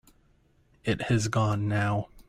It has gone now.